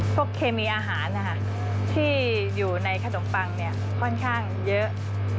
เคมีอาหารที่อยู่ในขนมปังค่อนข้างเยอะ